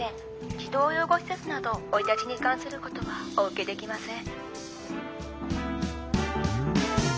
児童養護施設など生い立ちに関することはお受けできません」。